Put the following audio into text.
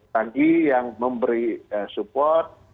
lagi yang memberi support